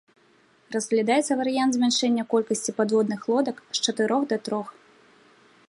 Разглядаецца варыянт змяншэння колькасці падводных лодак з чатырох да трох.